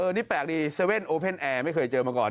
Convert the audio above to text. นี่แปลกดี๗๑๑ไม่เคยเจอมาก่อน